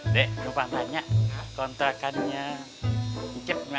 dek gua mau tanya kontrakannya dikit yang mana ya